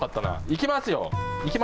いきますよ。